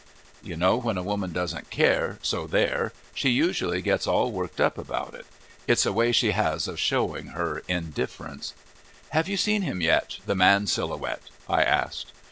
You know, when a woman doesn't care, so there, she usually gets all worked up about it. It's a way she has of showing her indifference. "Have you seen him yet the Man Silhouette?" I asked.